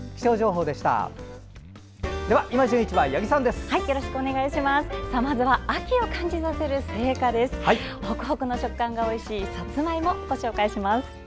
ホクホクの食感がおいしいさつまいも、ご紹介します。